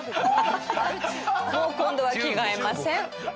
もう今度は着替えません。